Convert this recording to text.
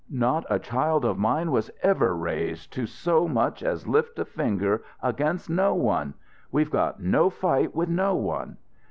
Not a child of mine was ever raised to so much as lift a finger against no one. We've got no fight with no one."